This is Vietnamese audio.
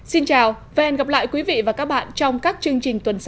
xin chào và hẹn gặp lại quý vị và các bạn trong các chương trình tuần sau